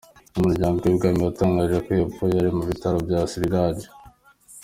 Umuryango w’ibwami watangaje ko yapfuye ari mubitaro bya Siriraj.